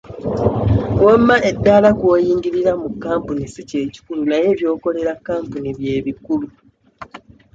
Wamma eddaala kw'oyingirira mu kampuni si ky'ekikulu naye by'okolera kampuni by'ekikulu.